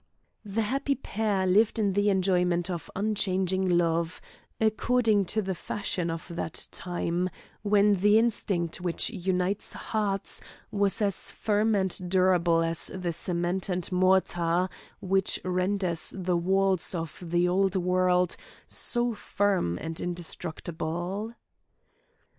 The happy pair lived in the enjoyment of unchanging love, according to the fashion of that time, when the instinct which unites hearts was as firm and durable as the cement and mortar which renders the walls of the old world so firm and indestructible.